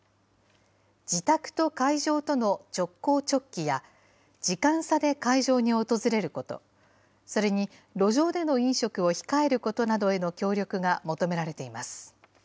自宅と会場との直行直帰や、時間差で会場に訪れること、それに路上での飲食を控えることなどへの協力が求められています。